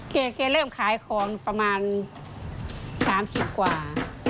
แกเริ่มขายของประมาณ๓๐กว่า